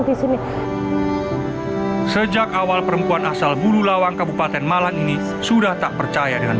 di sini sejak awal perempuan asal bulu lawang kabupaten malang ini sudah tak percaya dengan